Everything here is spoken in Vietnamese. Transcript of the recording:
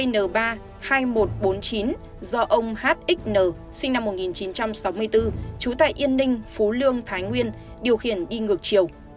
hai mươi n ba mươi hai nghìn một trăm bốn mươi chín do ông hxn sinh năm một nghìn chín trăm sáu mươi bốn trú tại yên ninh phú lương thái nguyên điều khiển đi ngược chiều